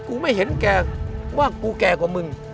ไม่เห็นแกว่ากูแก่กว่ามึง